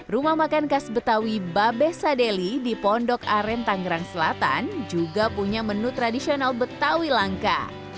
rumah makan khas betawi babe sadeli di pondok aren tangerang selatan juga punya menu tradisional betawi langka